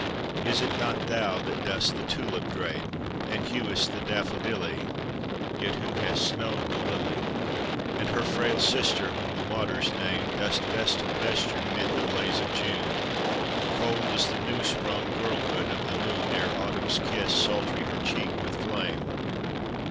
Is it not thou that dost the tulip drape, And huest the daffodilly, Yet who hast snowed the lily; And her frail sister, whom the waters name, Dost vestal vesture 'mid the blaze of June, Cold as the new sprung girlhood of the moon Ere Autumn's kiss sultry her cheek with flame?